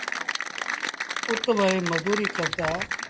اُت وهي مزوريٚ ڪرتآ۔